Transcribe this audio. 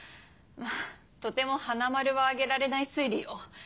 とても花丸はあげられない推理よ。